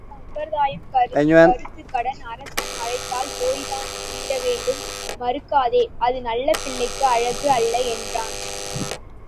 சம்பிரதாயம் கருதிக் கந்துக்கடன், அரசன் அழைத்தால் போய்த்தான் தீரவேண்டும் மறுக்காதே அது நல்ல பிள்ளைக்கு அழகு அல்ல என்றான்.